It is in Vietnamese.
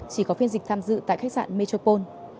chỉ có phiên dịch tham dự tại khách sạn metropole